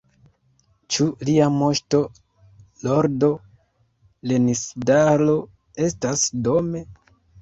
Ĉu Lia Moŝto, Lordo Lenisdalo estas dome?